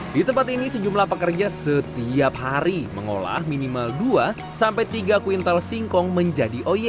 di tempat ini sejumlah pekerja setiap hari mengolah minimal dua sampai tiga kuintal singkong menjadi oya